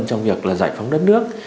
trong việc là giải phóng đất